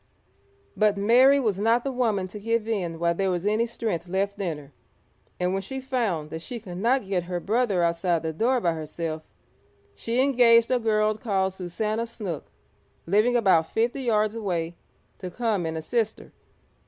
But Mary was not the woman to give in while there was any strength left in her, and when she found that she could not get her brother outside the door by herself, she engaged a girl called Susannah Snook, living about fifty yards away, to come and assist her.